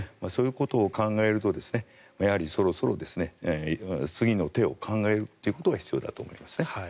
そういうことを考えるとやはりそろそろ次の手を考えていくことが必要だと思いますね。